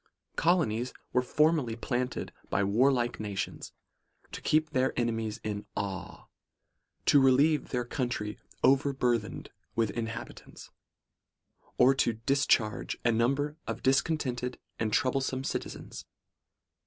' Colonies, says he, were formerly planted by warlike nations, to keep their enemies in awe ; to relieve their country overburthened with inhabi tants ; or to discharge a number of discontented and troublesome citizens.